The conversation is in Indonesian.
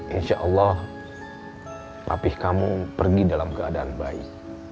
insya allah rapih kamu pergi dalam keadaan baik